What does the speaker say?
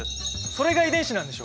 それが遺伝子なんでしょ？